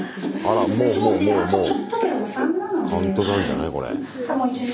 あらもうもうカウントダウンじゃないこれ。